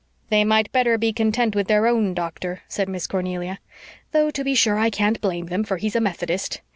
"They might better be content with their own doctor," said Miss Cornelia. "Though to be sure I can't blame them, for he's a Methodist.